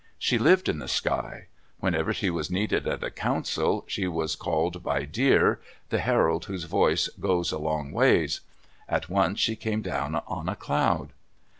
She lived in the sky. Whenever she was needed at a council, she was called by Deer, the herald whose voice "goes a long ways." At once she came down on a cloud.